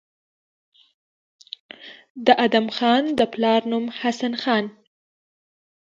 د ادم خان د پلار نوم حسن خان